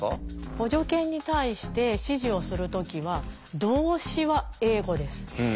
補助犬に対して指示をする時は動詞は英語です。